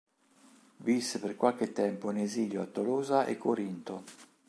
Visse per qualche tempo in esilio a Tolosa e Corinto.